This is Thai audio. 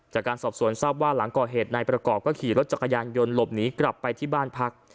จากการสอบสวนทราบว่าหลังก่อเหตุนายประกอบก็ขี่รถจักรยานยนต์หลบหนีกลับไปที่บ้านพัก